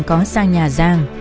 có sang nhà giang